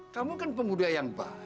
kamu kan pemuda yang pak